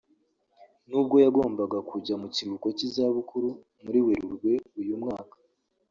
nubwo yagombaga kujya mu kiruhuko cy’izabukuru muri Werurwe uyu mwaka